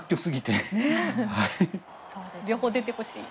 両方出てほしい。